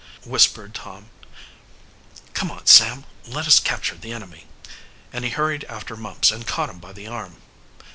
whispered Tom, "Come on, Sam, let us capture the enemy!" and he hurried after Mumps and caught him by the arm.